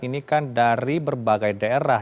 ini kan dari berbagai daerah